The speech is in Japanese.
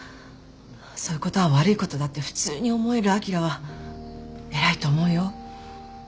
そういうことは悪いことだって普通に思えるあきらは偉いと思うよ。